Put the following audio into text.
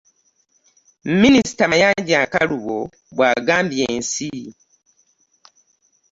Minisita Mayanja Nkalubo bw'agambye ensi